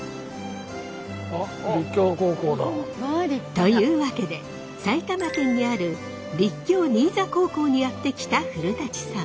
というわけで埼玉県にある立教新座高校にやって来た古さん。